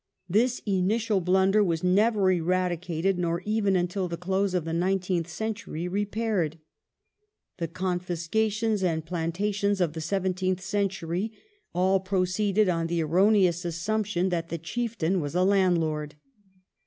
This initial blunder was never eradicated, nor even, until the close of the nine teenth century, repaired. The confiscations and plantations of the seventeenth century all proceeded on the erroneous assumption that the chieftain was a landlord.